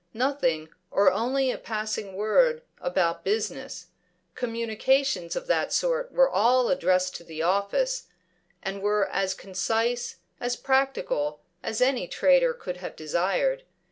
Nothing, or only a passing word, about business; communications of that sort were all addressed to the office, and were as concise, as practical, as any trader could have desired.